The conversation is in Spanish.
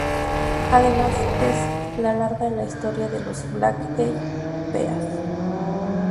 Además, es la larga en la historia de los Black Eyed Peas.